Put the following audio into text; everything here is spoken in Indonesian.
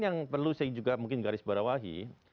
yang perlu saya juga mungkin garis bawahi